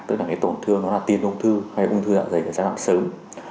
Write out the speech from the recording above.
tức là cái tổn thương nó là tiên ung thư hay ung thư dạ dày sẽ nặng sớm